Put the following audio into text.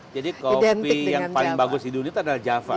jadi kopi yang paling bagus di dunia itu adalah java